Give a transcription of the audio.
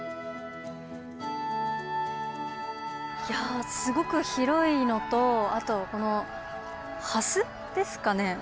いやすごく広いのとあとこのハス？ですかね。